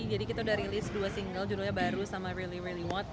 jadi kita udah rilis dua single judulnya baru sama really really want